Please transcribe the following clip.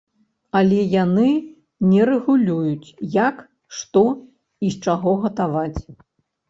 Але яны не рэгулююць як, што і з чаго гатаваць.